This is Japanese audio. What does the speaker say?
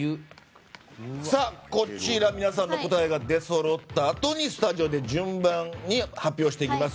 こちら、皆さんの答えが出そろったあとにスタジオで順番に発表していきます。